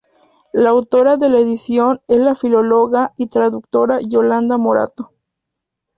La autora de la edición es la filóloga y traductora Yolanda Morató.